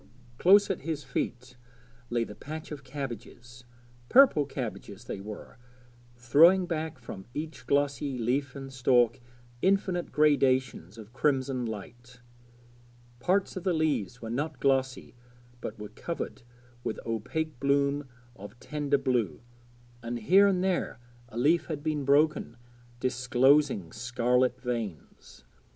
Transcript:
Close at his feet lay the patch of cabbages purple cabbages they were, throwing back from each glossy leaf and stalk infinite gradations of crimson light. Parts of the leaves were not glossy but were covered with opaque bloom of tender blue, and here and there a leaf had been broken, disclosing scarlet veins.